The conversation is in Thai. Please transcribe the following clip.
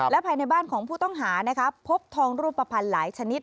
ภายในบ้านของผู้ต้องหาพบทองรูปภัณฑ์หลายชนิด